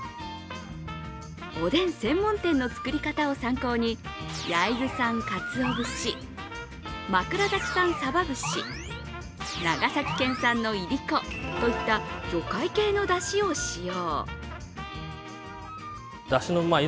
おでん専門店の作り方を参考に焼津産かつお節、枕崎産さば節、長崎県産のいりこといった魚介系のだしを使用。